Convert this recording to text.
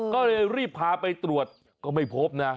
ก็เลยรีบพาไปตรวจก็ไม่พบนะ